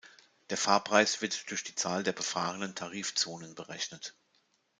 Der Fahrpreis wird durch die Zahl der befahrenen Tarifzonen berechnet.